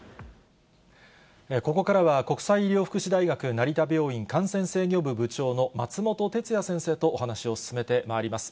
ここからは国際医療福祉大学、成田病院感染制御部部長の松本哲哉先生とお話を進めてまいります。